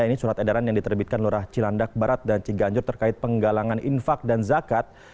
ini surat edaran yang diterbitkan lurah cilandak barat dan ciganjur terkait penggalangan infak dan zakat